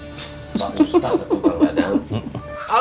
pak ustadz pak kemet pak ustadz